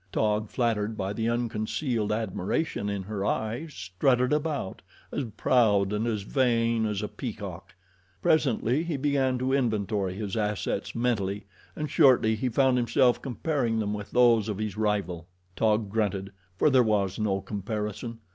Taug, flattered by the unconcealed admiration in her eyes, strutted about, as proud and as vain as a peacock. Presently he began to inventory his assets, mentally, and shortly he found himself comparing them with those of his rival. Taug grunted, for there was no comparison.